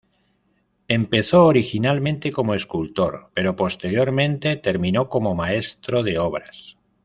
Empezó originalmente como escultor, pero posteriormente terminó como maestro de obras.